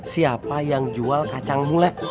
siapa yang jual kacang mulek